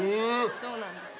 そうなんですよ。